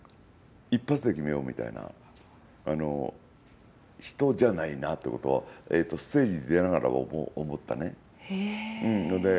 一発で決めようみたいな人じゃないなってことをステージに出ながら思ったね。